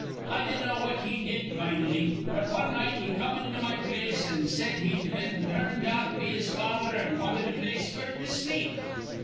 I dinnaw what he did fin'lly, but wan night he come into my place an' said he'd been turned out be his father an' wanted a place f'r to sleep.